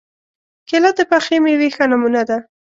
کېله د پخې مېوې ښه نمونه ده.